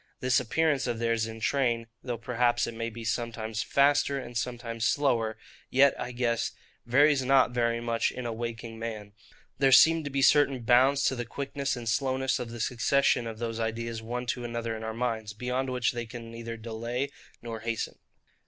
This appearance of theirs in train, though perhaps it may be sometimes faster and sometimes slower, yet, I guess, varies not very much in a waking man: there seem to be certain bounds to the quickness and slowness of the succession of those ideas one to another in our minds, beyond which they can neither delay nor hasten.